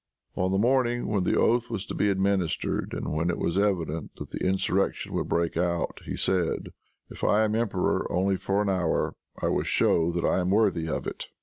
On the morning when the oath was to be administered, and when it was evident that the insurrection would break out, he said, "If I am emperor only for an hour, I will show that I am worthy of it."